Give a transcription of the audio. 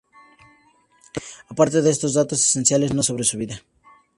Aparte de estos datos esenciales no se sabe más sobre su vida.